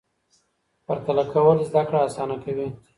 پرتله کول زده کړه اسانه کوي.